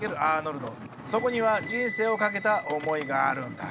そこには人生を賭けた思いがあるんだ。